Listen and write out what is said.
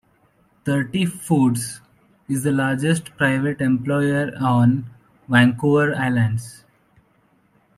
Thrifty Foods is the largest private employer on Vancouver Island.